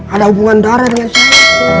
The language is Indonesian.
ada hubungan darah dengan saya